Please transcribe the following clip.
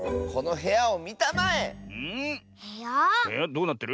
へやどうなってる？